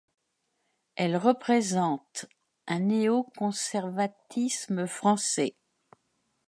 Elle représente un néo-conservatisme français.